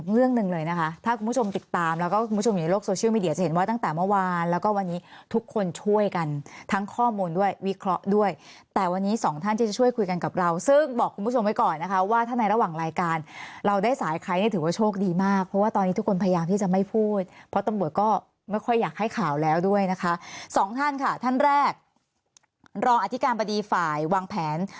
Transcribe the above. เลยนะคะถ้าคุณผู้ชมติดตามแล้วก็คุณผู้ชมอยู่ในโลกโซเชียลมีเดียจะเห็นว่าตั้งแต่เมื่อวานแล้วก็วันนี้ทุกคนช่วยกันทั้งข้อมูลด้วยวิเคราะห์ด้วยแต่วันนี้สองท่านจะช่วยคุยกันกับเราซึ่งบอกคุณผู้ชมไว้ก่อนนะคะว่าท่านในระหว่างรายการเราได้สายใครถือว่าโชคดีมากเพราะว่าตอนนี้ทุกคนพยายามที่จะไม่พูดเพราะตำ